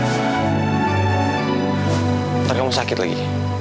ntar kamu sakit lagi